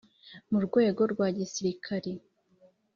mu rwego rwa gisirikari,